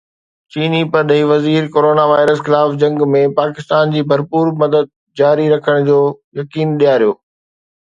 چيني پرڏيهي وزير ڪورونا وائرس خلاف جنگ ۾ پاڪستان جي ڀرپور مدد جاري رکڻ جو يقين ڏياريو